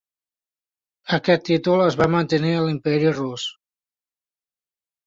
Aquest títol es va mantenir a l'Imperi Rus.